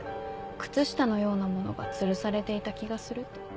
「靴下のようなものがつるされていた気がする」と。